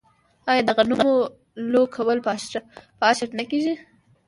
آیا د غنمو لو کول په اشر نه کیږي؟